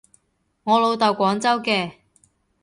我老豆廣州嘅